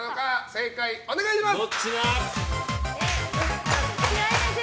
正解、お願いします。